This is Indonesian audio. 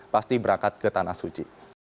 pasti berangkat ke tanah suci